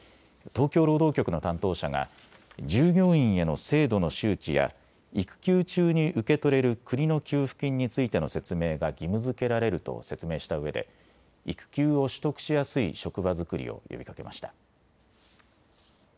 東京労働局の担当者が従業員への制度の周知や育休中に受け取れる国の給付金についての説明が義務づけられると説明したうえで育休を取得しやすい職場づくりを呼びかけました。